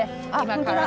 今から。